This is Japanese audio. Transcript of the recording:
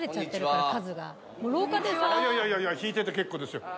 いやいやいやいや弾いてて結構ですよ。